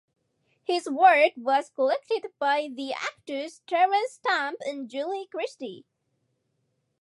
His work was collected by the actors Terence Stamp and Julie Christie.